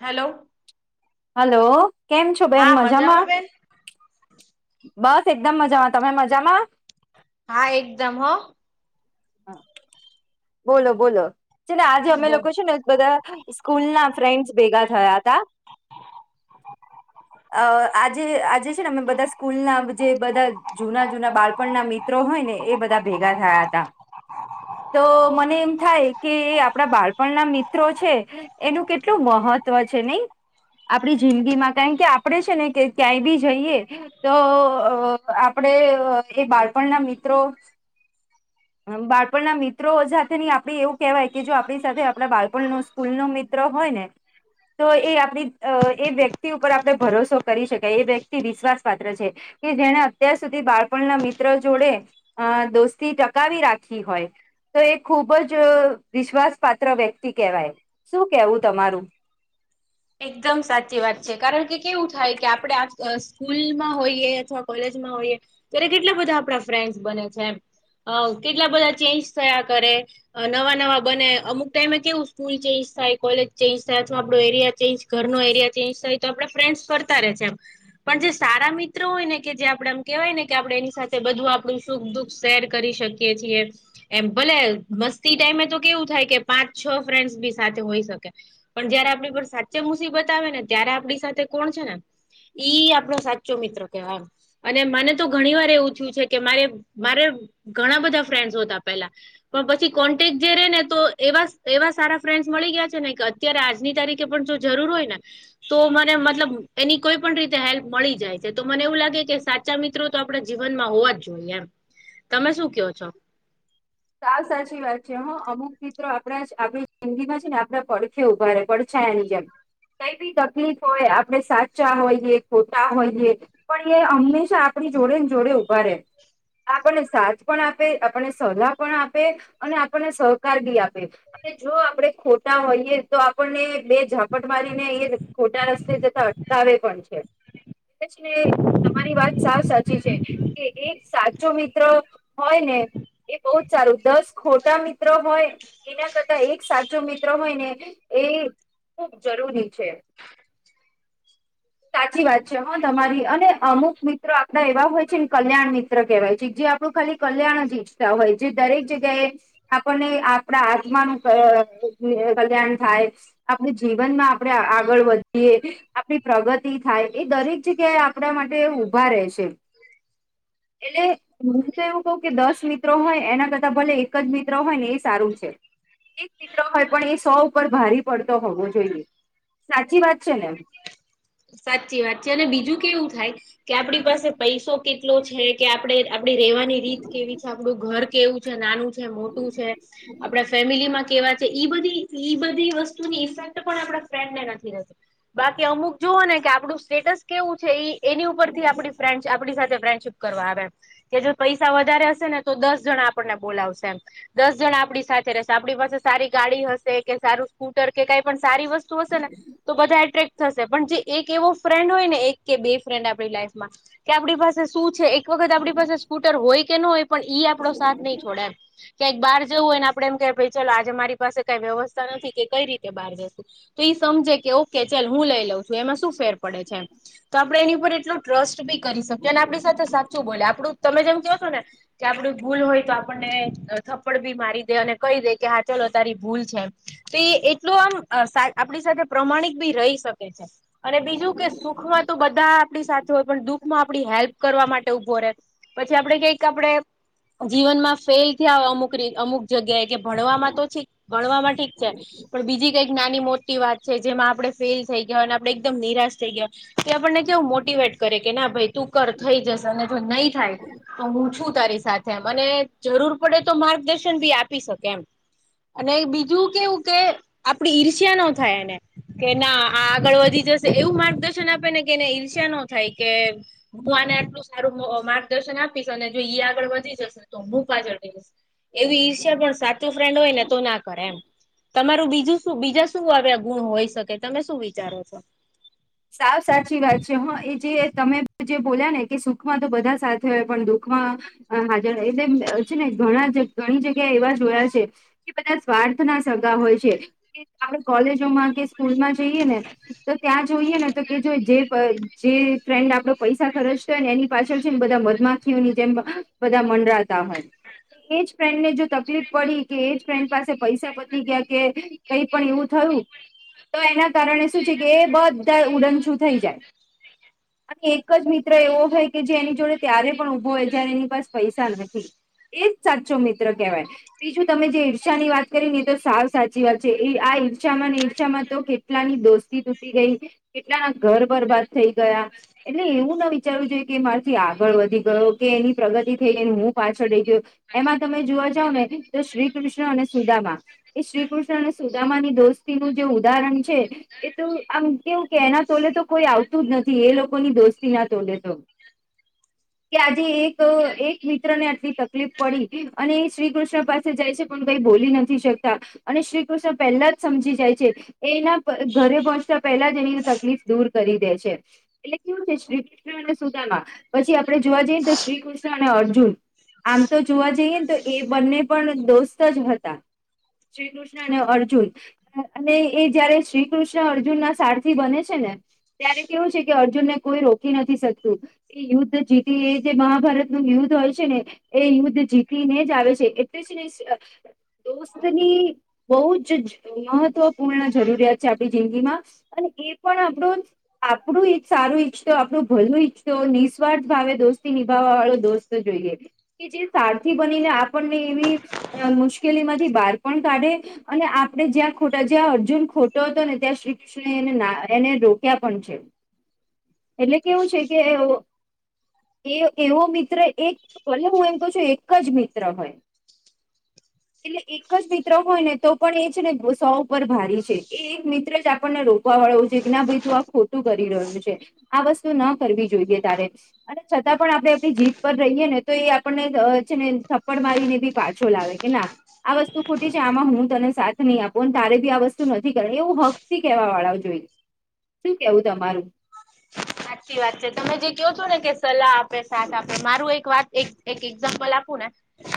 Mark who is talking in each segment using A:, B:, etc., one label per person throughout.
A: Hello.
B: Hello, કેમ છો બેન?
A: હા
B: મજામાં.
A: બેન
B: બસ એકદમ મજામાં, તમે મજામાં?
A: હા, એકદમ હો.
B: બોલો, બોલો છે ને, આજે અમે
A: બો
B: લોકો છે ને, બધા સ્કૂલ ના ફ્રેન્ડસ ભેગા થયા હતા.
A: [unintelligible]
B: અ આજે આજે છે ને, અમે બધા સ્કૂલ ના જે બધા જૂના-જૂના બાળપણના મિત્રો હોય ને, એ બધા ભેગા થયા હતા. તો મને એમ થાય કે, આપણા બાળપણ ના મિત્રો છે તો એનું કેટલું મહત્વ છે નઈ. આપણી જિંદગી માં કારણ કે, આપડે છે ને કે, ક્યાંય બી જઈએ. તો અ આપડે એ બાળપણ ના મિત્રો. હમ, બાળપણ ના મિ ત્રો સાથેની આપણે એવું કહેવાય કે, જો આપણી સાથે આપણા બાળપણ નુ સ્કૂલ નો મિત્ર હોય ને. તો એ આપણી એ વ્યક્તિ ઉપર આપણે ભરોસો કરી શકાય, એ વ્યક્તિ વિશ્વાસ પાત્ર છે. કે જેણે અત્યાર સુધી બાળપણના મિત્ર જોડે અ દોસ્તી ટકાવી રાખી હોય. તો એ ખુબ જ વિશ્વાસ પાાત્ર વ્યક્તિ કહેવાય શું કેવું તમારું?
A: એકદમ સાચી વાત છે, કારણ કે કેવું થાય કે, આપણે આ સ્કૂલમાં હોઈએ, અથવા કોલેજમાં હોઈએ. ત્યારે કેટલા બધા આપણા ફ્રેન્ડસ બને છે, કેટલા બધા ચેન્જ થયા કરે. નવા-નવા બને, અમુક ટાઈમે કેવું સ્કૂલ ચેન્જ થાય, કોલેજ ચેન્જ થાય, અથવા આપડો એરિયા ચેન્જ ઘરનો એરિયા, ચેન્જ તો આપે કરતા ર રહે છે, એમ. પણ જે સારા મિત્રો હોય ને કે, જે આપડે એમ કેવાય ને કે, આપડે એની સાથે બધું આપણું સુખ દુખ શેર કરી શકીએ છીએ. એમ ભલે મસ્તી ટાઈમે તો થાય કે, પાંચ-છ ફ્રેન્ડસ બી સાથે શકે. પણ જયારે આપણી પર સાચે મુસીબત આવે ને, ત્યારે આપણી સાથે કોણ છે ને. ઈ આપણો સાચો મિત્રો કેવાય. અને મને તો ઘણી વાર એવું થયું છે કે, મારે મારે ઘણા બધા ફ્રેન્ડસ હતા પેલા. પણ પછી કોન્ટેક જે રે ને, તો એવા એવા સારા ફ્રેન્ડસ મળી ગયા છે ને કે, અત્યારે આજની તારીખે પણ જો જરૂર હોય ને. તો મને મતલબ એની કોઈ પણ રીતે હેલ્પ મળી જાય છે, તો મને એવું લાગે કે સાચ બચ્ચાં, મિત્રો તો આપણે જીવનમાં હોવા જ જોઈએ, એમ તમે શું કહો છો?
B: સા સાચી વાત છે, હ અમુક મિત્રો આપણા આપણી જિંદગીમાં છે ને, આપડા પડખે ઊભા ર પડખ છા, એની જેમ કઈ બી તકલીફ હોય, આપણે સાચા હોઈએ ખોટા હોઈએ. પણ એ હંમેશા આપણી જોડે ને, જોડે ઊભા રહેે. આપણને સાથે પણ આપે આપણને સલાહ, અને આપણને સહકાર બી આપે. અને જો આપડે ખોટા હોઈએ તો, આપણને બે ઝાપટ મારીને એ. ખોટા રસ્તે જતા અટકાવે પણ છે. ને તમારી વાત સા સાચી છે કે, એક સાચો મિત્ર હોય ને, એ બહુ જ સારું, દસ ખોટા મિત્ર હોય. એના કરતા, એક સાચો મિત્ર હોય ને એ. ખુબ જરૂરી છે.
A: [inaudible]
B: સાચી વાત છે. હા, તમારી અને અમુક મિત્રો આપડા એવા હોય છે ને, કલ્યાણ મિત્ર કહેવાય છે, જે આપણું ખાલી કલ્યાણ જ ઈચ્છતા હોય, જે દરેક જગ્યાએ. આપણને આપણા આત્માનું કલ્યાણ થાય. આપણે જીવનમાં આપણે આગળ વધીએ આપણી પ્રગતિ થાય એ દરેક જગ્યાએ. આપડા માટે ઊભા રે છે.
A: [inaudible]
B: એટલે હું તો એવું કઉું કે દસ મિ મિત્રો હોય એના કરતા ભલે એક જ મિત્ર હોય ને એ સારું છે. એક મિત્ર હોય પણ એ સો ઉપર ભારી પડતો હોવો જોઈએ સાચી વાત છે ને,
A: સાચી વાત છે અને બીજું કેવું થાય કે આપણી પાસે પૈસો. કેટલો છે કે આપણે આપડી રેવાની રીત કેવી છે આપણું ઘર કેવું છે નાનું. મોટું છે આપડા ફેમિલીમાં કેવા. ઈ બધી ઈ બધી વસ્તુની ઇફેક્ટ પણ આપણા ફ્રેન્ને નથી રહેતો બાકી અમુક. જોઓ ને કે આપણું સ્ટેટસ કેવું છે એની ઉપરથી આપણી ફ્રેન્ડ આપણી સાથે ફ્રેન્ડશીપ કરવા આવે. કે જો પૈસા વધારે હશે ને તો દસ જણા આપણને બોલાવશે એમ. દસ જણ આપડી સાથે રહેશે આપણી પાસે સારી ગાડી હશે કે સારું સ્કૂટર કે કઈ પણ સારી વસ સે ને તો બધા એ પણ જે એક એવો ફ્રેન્ડ હોયને એક કે બે ફ્રેન્ડ આપની લાઈફમાં કે આપણી પાસે શું છે? એક વખત આપણી પાસે સ્કૂટર હોય કે ન હોય પણ ઈ આપડો સાથ નહીં છોડે એમ. ક્યાઈક બહાર જવું હોયને આપડે એમ કય ભાઈ ચાલો આજે મારી પાસે કઈ વ્યવસ્થા નથી કે કઈ રીતે બહાર જ [unintelligible] તો ઈ સમજે કે ઓકે ચલ હું લઈ લઉં છું એમાં શું ફેર પડે છે એમ. તો આપડણે એની ઉપર એટલું ટ્રસ્ટ બી કરી શકીએ અને આપણી સાથે સાચું બોલે આપડું તમે જેમ કો છો ને. કે આપડું ભૂલ હોય તો આપણને થપ્પડ ભી મારી દે અને કહી દે કે હા ચાલો તારી ભૂલ છે. તો એ એટલું આમ સા આપણી સાથે પ્રમાણિક બી રહી શકે છે. અને બીજું કે સુખમાં તો બધા આપડી સાથે હોય પણ દુખ માં આપડી હેલ્પ કરવા માટે ઉભો રહેે, પછી આપડે કઈક આપડે, જીવન માં ફેલ થયા અમુક અમુક જગ્યાએ કે ભણવામાં તો છે. ભણવામાં ઠીક છે પણ બીજી કઈક નાની મોટી વાત છે જેમાં આપણે ફેલ, થઈ ગયા અને આપડે એકદમ નિરાશ થઈ તો આપણને કેવું મોટીવેટ, કરે ના ભાઈ તું કર થઈ જશે અને જો નહી થાય તો હું છું તારી સાથે મને. જરૂર પડે તો માર્ગદર્શન ભી આપી શકે એમ. અને બીજું કેવું કે આપડી ઈર્ષ્યા નો થાય એને કે ના. આ આગળ વધી જશે એવું માર્ગદર્શન આપે ને કે એને ઈર્ષ્યા ન થાય કે, હું આને આટલું સારું માર્ગદર્શન આપીશ અને જો ઈ આગળ વધી જશે, તો હું પાછળ થઈ જઈશ. એવી ઈર્ષા પણ સાચું ફ્રેન્ડ હોય ને તો ના કરે એમ તમારું બીજું, શું બીજા શું આવ્યા ગુણ હોય શકે તમે શું વિચારો છો?
B: સાવ સાચી વાત છે હા એ જે તમે જે બોલ્યા ને કે સુખમાં તો બધા સાથે હોય પણ દુખમાં. હાજર રહી છે ને ઘણા ઘણી જગ્યા એવા જોયા છે. કે બધા સ્વાર્થના સગા હોય છે કે આપણે કોલેજોમાં કે, સ્કૂલમાં જઈએ ને તો ત્યાં જોઈએ ને તો કે જો જે ફ્રેન્ડ આપડો પૈસા ખર્ચતા હોય ને એની પાછળ છેને બધા મધમાખીઓની જેમ. બધા મડરાતા હોય એજ ફ્રેન્ડને જો તકલીફ પડી કે એજ ફ્રેન્ડ પાસે પૈસા પતી ગયા કે કઈ પણ એવું થયું. તો એના કારણે શું છે કે એ બધા ઉડનછું થઈ જાય.
A: [inaudible]
B: અને એક જ મિત્ર એવો હોય કે જે એની જોડે ત્યારે પણ ઊભો હોય જયારે એની પાસે પૈસા નથી. એજ સાચો મિત્ર કેવાય. બીજું તમે જે ઈર્ષા ની વાત કરી ને એ તો સાવ સાચી વાત છે એ આ ઈર્ષામાં ને ઈર્ષામાં તો કેટ કેટલાની દોસ્તી તૂટી ગઈ કેટલાના ઘર બરબાદ થઈ ગયા એટલે એવું ન વિચારવું જોઈએ કે મારથી આગળ વધી ગયો કે એની પ્રગતિ થઈ ગઈને હું પાછળ રહી ગયો. એમાં તમે જોવા જાવ ને તો શ્રી કૃષ્ણ અને સુદામા, એ શ્રીકૃષ્ણ અને સુદામા ની દોસ્તીનું જે ઉદાહરણ એ તો આમ એવું કે એના તોલે તો કોઈ આવતું જ નથી એ લોકો ની દોસ્તી ના તોલે તો,
A: [inaudible]
B: કે આજે એક એક મિત્ર ને આટલી તકલીફ પડી અને એ શ્રી કૃષ્ણ પાસ સે જાય છે પણ કઈ બોલી નથી શકતા. અને શ્રી કૃષ્ણ પહેલા જ સમજી જાય છે એ એના ઘરે પહોંચતા, પહેલા જ એની તકલીફ દૂર કરી દે છે. એટલે કેવું છે શ્રી કૃષ્ણ અને સુદામા પછી આપડણે જોવા જઈએ તો શ્રીકૃષ્ણ અને અર્જુન આમ તો જોવા જઈએ ને તો એ બંને પણ દોસ્ત જ હતા. શ્રી કૃષ્ણ અને અર્જુન અને એ જયારે શ્રી કૃષ્ણ અર્જુન ના, સારથી બને છે ને ત્યારે કેવું છે કે અર્જુન ને કોઈ રોકી નથી શકતું. ઈ યુદ્ધ જીતી એ જે મહાભારત નુ યુદ્ધ હોય છે ને એ યુદ્ધ જીતી ને જ આવે છે એટલે જ ને સ અ દોસ્તની બહુ જ મહત્વપૂર્ણ જરૂરિયાત છે આપણી જિંદગીમાં, અને એ પણ આપણો જ, આપણું ઈ જ સારું ઈચ્છતો આપણું ભલું ઈચ્છતો નિઃસ્વાર્થ ભાવે દોસ્તી નિભાવવા વાળો દોસ્ત. તો જોઈએ કે જે સારથી બનીને આપણને એવી, અ મુશ્કેલી માંથી બહાર પણ કાઢે અને આપડે જ્યાં ખોટા જ્યાં અર્જુન ખોટો હતો ને ત્યાં શ્રી કૃષ્ણ એને ના એને રોક્યા પણ છે, એટલે કેવું છે કે એ એ એવો મિત્ર એક ભલે હું એમ કહું છું એક જ મિત્ર હોય
A: [inaudible]
B: એટલે એક જ મિત્ર હોય ને તો પણ એ છે ને સો ઉપર ભારી છે એ એક મિત્ર જ આપ પણને રોકવા વાળો છે કે ના ભાઈ તું આ ખોટું કરી રહ્યો છે આ વસ્તુ ના કરવી જોઈએ તારે. અને છતાં પણ આપડે આપણી જીભ પર રહીએ ને તો એ આપણને છે ને થપ્પડ મારીને બી પા છો લાવે કે ના આ વસ્તુ ખોટી છે આમાં હું તને સાથ નહીં આપું અન તારે બી આ વસ્તુ નથી કરે એવું હક થી કહેવાવાળાઓ જોઈએ શું કેવું તમારું.
A: સાચી વાત છે તમે જે ક્યો છો ને કે સલાહ આપે સાથ આપે મારું એક વાત એક એક એક્ઝામ્પલ આપું ને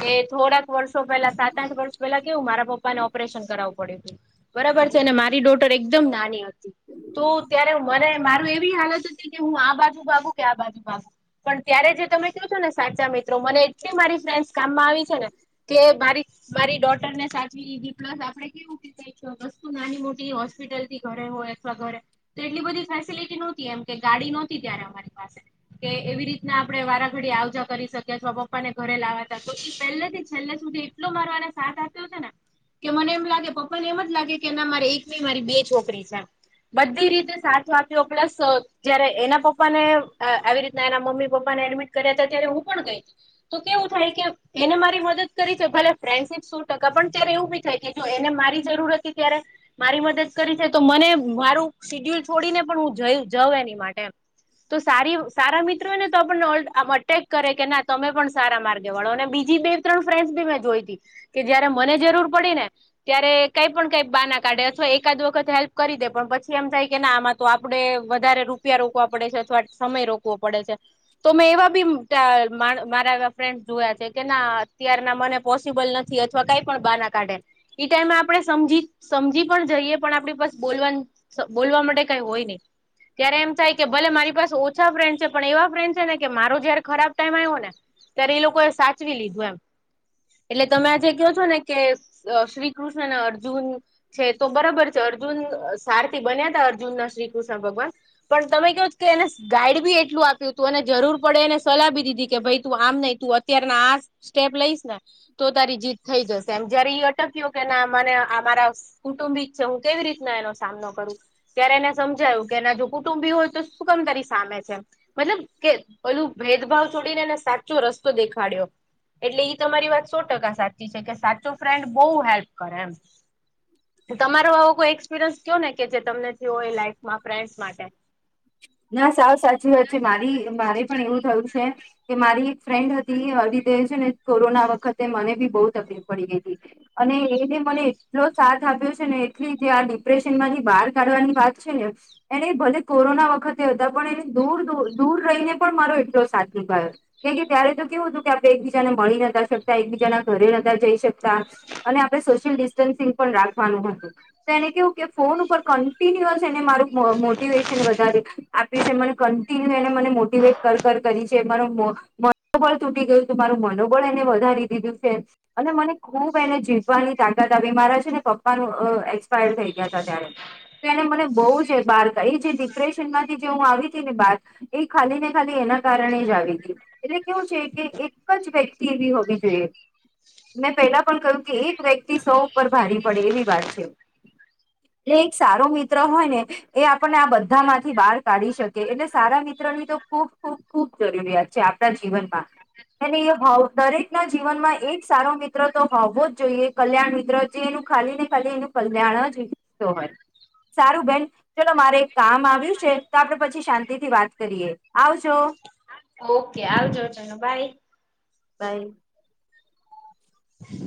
A: કે થોડા વર્ષો પેલા સાત આઠ વર્ષ પેલા કેવું મારા પપ્પાને ઓપરેશન કરાવવું પડ્યું તું. બરાબર છે ને મારી ડોટર એકદમ નાની હતી તો ત્યારે મને મારું એ એવી હાલત હતી કે હું આ બાજુ ભાગું કે આ બાજુ ભાગું પણ ત્યારે જે તમે ક્યો છો ને સાચા મિત્રો મને એટલી મારી ફ્રેન્ડસ કામમાં આવી છે ને કે મારી મારી ડોટર ને સાચવી લીધી પ્લસ આપડે કેવું. વસ્તુ નાની મોટી હોસ્પિટલથી ઘરે હોય અથવા ઘરે તો એટલી બધી ફેસિલટીનો એમ કે ગાડી નહોતી ત્યારે અમારી પાસે કે એવી રીતના આપડે વારાઘડી આવજા કરી શકીએ અથવા પપ્પાને ઘરે લાવાતા તો એ પહેલેથી જ છેલ્લે સુધી એટલો મારો આને સાથ આપ્યો છે ને કે મને એમ લાગે પપ્પાને એમ જ લાગે કે ના મારે એક મારી બે છોકરી છે એમ બધી રીતે સાચો આપ્યો. પ્લસ સ જયારે એના પપ્પા ને આવી રીતના એના મમ્મી-પપ્પાને એડમિટ કર્યા તા ત્યારે હું પણ ગઈ તી. તો કેવું થાય કે એને મારી મદદ કરી છે. ભલે ફ્રેન્ડશીપ સો ટકા, પણ ત્યારે એવું બી થાય કે જો એને મારી જરૂરત હતી ત્યારે મારી મદદ કરી છે. તો મને મારું શિડ્યુલ છોડી ને પણ હું જઈ જવ એની માટે એમ. તો સારી સારા મિત્રો હોય ને તો આપણને ઓલ આમ અટેક કરે કે ના તમે પણ સારા માર્ગે વળો. અને બીજી બે ત્રણ ફ્રેન્ડસ બી મેં જોઈ તી. કે જયારે મને જરૂર પડી ને ત્યારે કાંઈ પણ કંઈક બહાના કાઢે, અથવા એકાદ વખત હેલ્પ કરી દે, પણ પછી એમ થાય કે ના આમાં તો આપણે વધારે રૂપિયા રોકવા પડે છે. અથવા સમય રોકવો પડે છે. તો મેં એવા બી [unintelligible] માર મારા એવા ફ્રેન્ડ જોયા છે, કે ના અત્યારના મને પોસિબલ નથી, અથવા કાંઈ પણ બહાના કાઢે. ઈ ટાઈમે આપણે સમજી-સમજી પણ જઈએ, પણ આપણી પાસ બોલવાન સ બોલવા માટે કાંઈ હોય નહીં. ત્યારે એમ થાય કે ભલે મારી પાસે ઓછા ફ્રેન્ડ છે, પણ એવા ફ્રેન્ડ છે ને કે મારો જયારે ખરાબ ટાઈમ આયો ને ત્યારે ઈ લોકોએ સાચવી લીધું એમ. એટલે તમે આ જે ક્યો છો ને કે શ્રી કૃષ્ણ અને અર્જુન છે, તો બરબર છે. અર્જુન સારથી બન્યા તા અર્જુન ના શ્રી કૃષ્ણ ભગવાન. પણ તમે ક્યો છ કે એને સ ગાઈડ બી એટલું આપ્યું તું, અને જરૂર પડે એને સલાહ બી દીધી કે, ભાઈ તું આમ નહીં, તું અત ત્યારના આ સ્ટેપ લઈશ ને તો તારી જીત થઈ જશે એમ. જયારે ઈ અટક્યો કે ના આ મને આ મારા સ કુટુંબિક છે, હું કેવી રીતના એનો સામનો કરું? ત્યારે એને સમજાયું, કે એના જો કુટુંબી હોય તો શું કામ કરી સામે છે? મતલબ કે પહેલું ભેદભાવ તોડીને એને સાચો રસ્તો દેખાડ્યો. એટલે ઈ તમારી વાત સો ટકા સાચી છે, કે સાચો ફ્રેન્ડ બહુ હેલ્પ કરે એમ. તમારો આવો કોઈ એક્સપિરિયન્સ કયો ને, કે જે તમને થયો હોય લાઈફમાં ફ્રેન્ડ્સ માટે. [inaudible]
B: ના સાવ સાચી વાત છે. મારી મારે પણ એવું થયું છે. કે મારી એક ફ્રેન્ડ હતી [unintelligible] છે ને કોરોના વખતે મને બી બહુ તકલીફ પડી ગઈ તી. અને એને મને એટલો સાથ આપ્યો છે ને, એટલી જે આ ડિપ્રેશન માંથી બહાર કાઢવાની વાત છે ને એનેઈ ભલે કોરોના વખતે હતા, પણ એને દૂર-દૂર-દૂર રહીને પણ મારો એટલો સાથ નીભાવ્યો છે. કેમ કે ત્યારે તો કેવું હતું કે આપણે એકબીજાને મળી નતા શકતા, એકબીજાના ઘરે નતા જઈ શક તા, અને આપણે સોશ શિયલ ડિસ્ટન્સિંગ પણ રાખવાનું હતું. તો એને કેવું કે ફોન ઉપર કન્ટિન્યુઅસ એને મારું મ મોટિવેશન વધાર્યું. [unintelligible] [unintelligible] મને કન્ટિન્યુ એને મને મોટિવેટ કર-કર કરી છે. મારો [unintelligible] મનોબળ તૂટી ગયું તું, મારું મનોબળ એને વધારી દીધું છે. અને મને ખુબ એને જીતવાની તાકાત આપી. મારા છે ને પપ્પાનું એક્સપાયર થઈ ગયા તા ત્યારે. એને મને બહુ જ એ બહાર કાઢી. એ જે ડિપ્રેશન માંથી જે હું આવી તી ને બહાર એ ખાલી ને ખાલી એના કારણે જ આવી તી. એટલે કેવું છે કે એક જ વ્યક્તિ એવી હોવી જોઈએ. મેં પહેલા પણ કહ્યું કે એક વ્યક્તિ સો ઉપર ભારી પડે એવી વાત છે. એટલે એક સારો મિત્ર હોય ને એ આપણને આ બધા માંથી બહાર કાઢી શકે. એટલે સારા મિત્રની તો ખૂબ-ખૂબ ખુબ જરૂરિયાત છે આપણા જીવનમાં. અને હવ દરેકના જીવનમાં એક સારો મિત્ર તો હોવો જ જોઈએ કલ્યાણ મિત્ર. જે એનું ખાલી ને ખાલી એનું કલ્યાણ જ ઈચ્છતો હોય. સારું બહેન ચલો મારે એક કામ આવ્યું છે. તો આપણે પછી શાંતિ થી વાત કરીએ. આવજો.
A: ઓકે, આવજો ચલો બાય.
B: બાય.